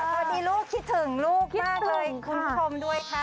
พอดีลูกคิดถึงลูกมากเลยคุณผู้ชมด้วยค่ะ